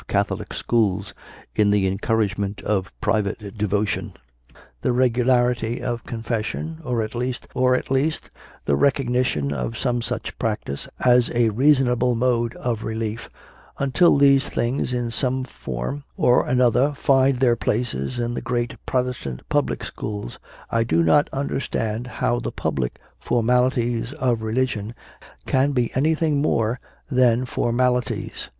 Catholic schools in the encouragement of private devotion, the regularity of Confession, or at least the recognition of some such practice as a reasonable mode of relief until these things in some form or another find their places in the great Protestant public schools, I do not understand how the public formalities of religion can be anything more than formalities.